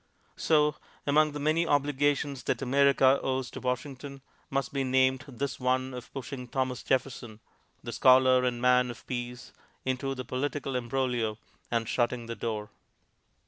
So, among the many obligations that America owes to Washington, must be named this one of pushing Thomas Jefferson, the scholar and man of peace, into the political embroglio and shutting the door.